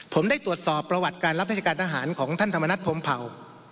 ผมได้ตรวจสอบประวัติการรับราชการทหารของท่านธรรมนัฐพรมเผา